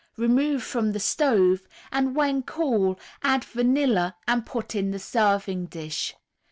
Remove from the stove, and when cool add vanilla and put in the serving dish.